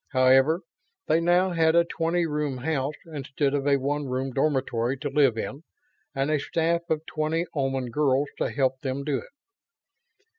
However, they now had a twenty room house instead of a one room dormitory to live in, and a staff of twenty Oman girls to help them do it.